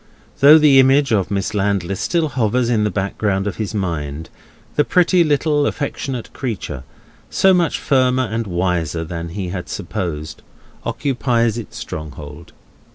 Though the image of Miss Landless still hovers in the background of his mind, the pretty little affectionate creature, so much firmer and wiser than he had supposed, occupies its stronghold.